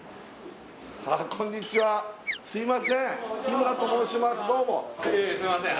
すいません